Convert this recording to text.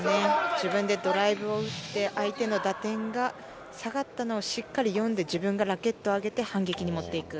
自分でドライブを打って相手の打点が下がったのをしっかり読んで自分がラケットを上げて反撃に持っていく。